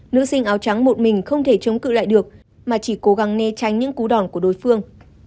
nữ sinh áo trắng một mình không thể chống cự lại được mà chỉ cố gắng né tránh những cú đòn của đối phương